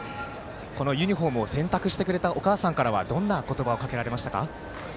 このユニフォームを洗濯してくれたお母さんからはどんな言葉をかけられましたか？